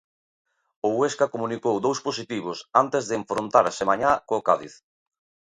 O Huesca comunicou dous positivos antes de enfrontarse mañá co Cádiz.